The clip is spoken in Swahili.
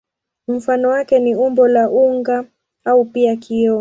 Mfano wake ni umbo la unga au pia kioo.